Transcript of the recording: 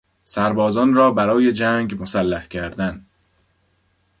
سربازان را برای جنگ مسلح کردن